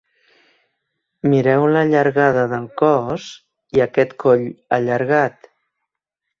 Mireu la llargada del cos i aquest coll allargat.